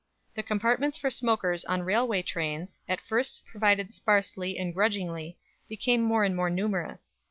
The compartments for smokers on railway trains, at first provided sparsely and grudgingly, became more and more numerous.